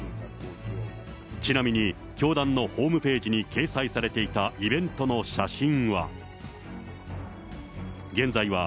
ちなみに、教団のホームページに掲載されていたイベントの写真は。